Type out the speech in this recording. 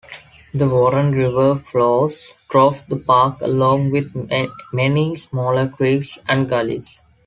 The Warren River flows through the park along with many smaller creeks and gullies.